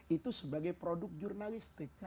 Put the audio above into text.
itu sebagai produk jurnalistik